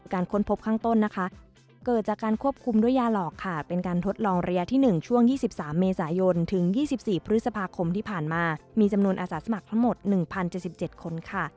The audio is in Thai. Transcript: ค้นพบข้างต้นนะคะเกิดจากการควบคุมด้วยยาหลอกค่ะเป็นการทดลองระยะที่๑ช่วง๒๓เมษายนถึง๒๔พฤษภาคมที่ผ่านมามีจำนวนอาสาสมัครทั้งหมด๑๐๗๗คนค่ะ